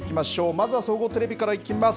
まずは総合テレビからいきます。